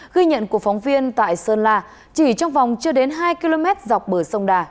ghi nhận của phóng viên tại sơn la chỉ trong vòng chưa đến hai km dọc bờ sông đà